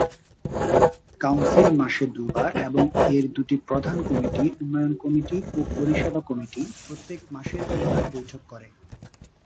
Council মাসে দুবার এবং এর দুটি প্রধান কমিটি অর্থ/উন্নয়ন কমিটি ও পরিষেবা/নিরাপত্তা কমিটি প্রত্যেক মাসে দুইবার বৈঠক করে।